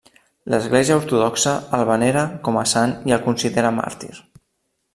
L'Església Ortodoxa el venera com a sant i el considera màrtir.